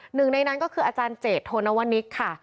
หนึ่งในนั้นก็คืออาจารย์เจดโทนวนิกค่ะ